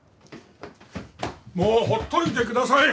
もうほっといてください！